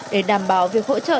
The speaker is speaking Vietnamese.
để đảm bảo việc hỗ trợ